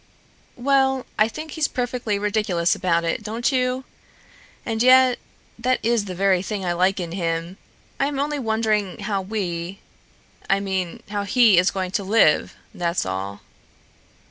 "Well, I think he's perfectly ridiculous about it, don't you? And yet, that is the very thing I like in him. I am only wondering how we I mean, how he is going to live, that's all."